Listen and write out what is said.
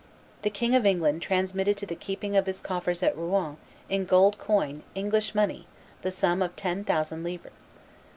The King of England transmitted to the keeping of his coffers at Rouen, in golden coin, English money, the sum of ten thousand livres.